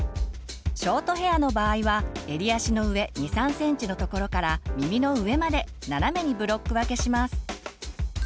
ショートヘアの場合は襟足の上２３ｃｍのところから耳の上まで斜めにブロック分けします。